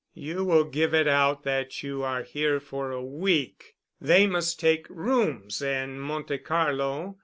You will give it out that you are here for a week. They must take rooms in Monte Carlo.